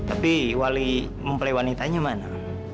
aku mau menikah sama kamu milo